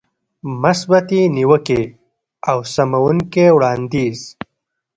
مثبتې نيوکې او سموونکی وړاندیز.